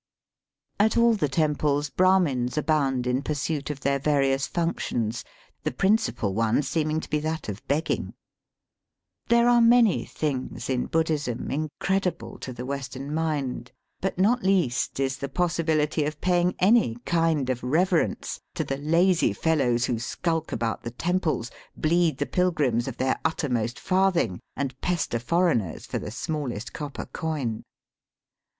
At all the temples Brahmins abound in pursuit of their various functions, the principal one seeming to be that of begging. There are many things in Buddhism incredible to the Western mind, but not least is the possibihty of paying any kind of reverence to the lazy fellows who skulk about the temples, bleed the pilgrims of their uttermost farthing, and pester foreigners for the smallest copper coin.